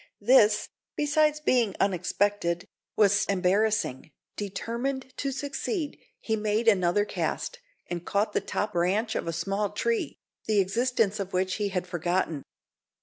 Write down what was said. This, besides being unexpected, was embarrassing. Determined to succeed, he made another cast, and caught the top branch of a small tree, the existence of which he had forgotten.